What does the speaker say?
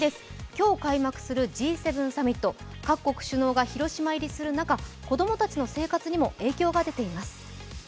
今日開幕するＧ７サミット各国首脳が広島入りする中、子供たちの生活にも影響が出ています。